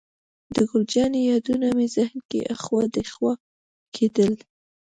د ګل جانې یادونه مې ذهن کې اخوا دېخوا کېدل.